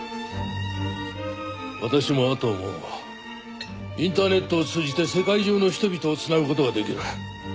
私も阿藤もインターネットを通じて世界中の人々を繋ぐ事ができる。